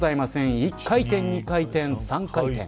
１回転、２回転、３回転。